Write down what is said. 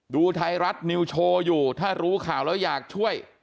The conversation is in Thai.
ดูไทยรัฐนิวโชว์อยู่ถ้ารู้ข่าวแล้วอยากช่วย